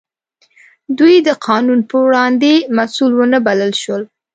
دوی د قانون په وړاندې مسوول ونه بلل شول.